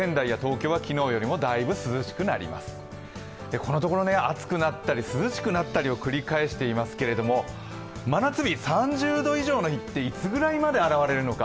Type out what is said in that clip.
このところ暑くなったり、涼しくなったりを繰り返していますけれども、真夏日、３０度以上の日っていつぐらいまで現れるのか。